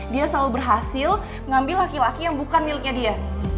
dia selalu berhasil ngambil laki laki yang bukan miliknya dia